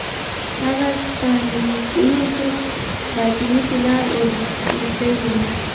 هغه سانتیاګو ته باطني طلا ورپېژني.